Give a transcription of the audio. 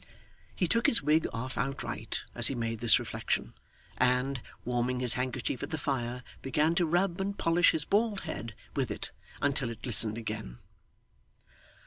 He took his wig off outright as he made this reflection, and, warming his handkerchief at the fire began to rub and polish his bald head with it, until it glistened again.